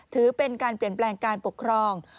ถือเป็นการเปลี่ยนแปลงการปกครอง